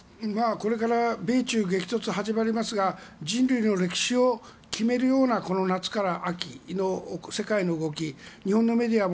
これから米中激突が始まりますが人類の歴史を決めるような夏から秋の世界の動き、日本のメディアも